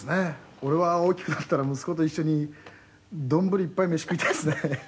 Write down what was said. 「俺は大きくなったら息子と一緒に丼いっぱい飯食いたいですね」